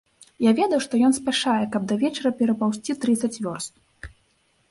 Я ведаў, што ён спяшае, каб да вечара перапаўзці трыццаць вёрст.